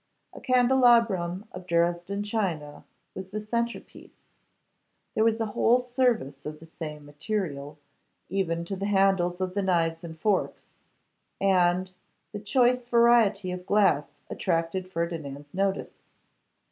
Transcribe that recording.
A candelabrum of Dresden china was the centre piece; there was a whole service of the same material, even to the handles of the knives and forks; and the choice variety of glass attracted Ferdinand's notice.